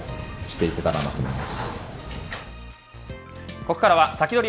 ここからはサキドリ！